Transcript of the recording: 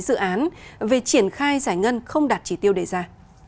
dự án về triển khai giải ngân không đạt chỉ tiêu đề ra